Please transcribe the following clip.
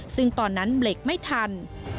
ซึ่งตอนนั้นเบรกไม่ทัน